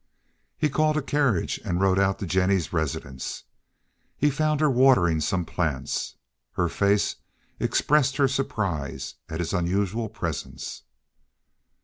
He called a carriage and rode out to Jennie's residence. He found her watering some plants; her face expressed her surprise at his unusual presence.